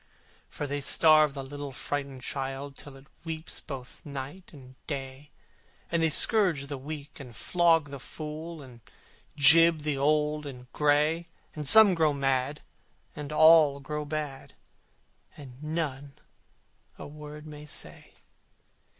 For they starve the little frightened child Till it weeps both night and day: And they scourge the weak, and flog the fool, And gibe the old and gray, And some grow mad, and all grow bad, And none a word may say.